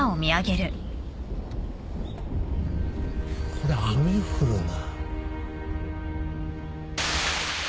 これ雨降るな。